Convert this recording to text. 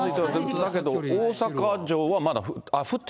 だけど大阪城はまだ降って？